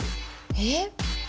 えっ？